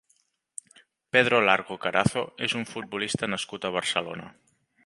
Pedro Largo Carazo és un futbolista nascut a Barcelona.